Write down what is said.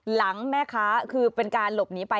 หลังแม่ค้าคือเป็นการหลบหนีไป